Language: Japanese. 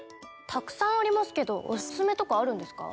たくさんありますけどオススメとかあるんですか？